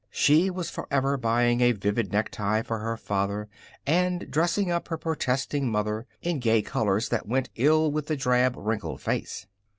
She was forever buying a vivid necktie for her father and dressing up her protesting mother in gay colors that went ill with the drab, wrinkled face.